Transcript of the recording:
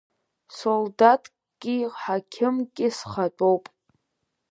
Солдаҭки ҳақьымки схатәоуп.